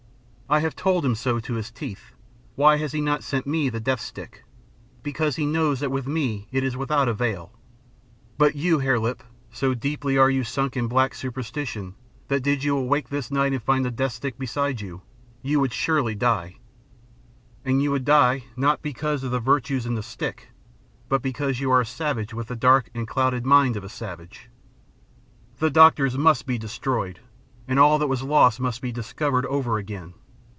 I have told him so to his teeth. Why has he not sent me the death stick? Because he knows that with me it is without avail. But you, Hare Lip, so deeply are you sunk in black superstition that did you awake this night and find the death stick beside you, you would surely die. And you would die, not because of any virtues in the stick, but because you are a savage with the dark and clouded mind of a savage. "The doctors must be destroyed, and all that was lost must be discovered over again.